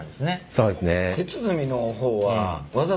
そうですね。